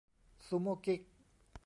ซูโม่กิ๊ก